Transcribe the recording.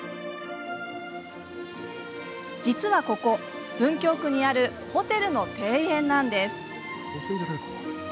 実はここ、文京区にあるホテルの庭園なんです。